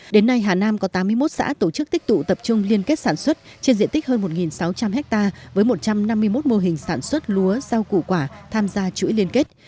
đến nay hà nam có tám mươi một xã tổ chức tích tụ tập trung liên kết sản xuất trên diện tích hơn một sáu trăm linh ha với một trăm năm mươi một mô hình sản xuất lúa rau củ quả tham gia chuỗi liên kết